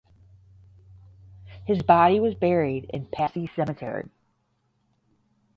His body was buried in Passy Cemetery.